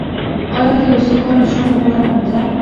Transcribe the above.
آیا د یو سوکاله ژوند لپاره نه ده؟